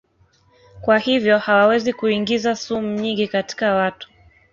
Kwa hivyo hawawezi kuingiza sumu nyingi katika watu.